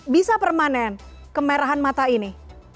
bisa permanen kemerahan mata ini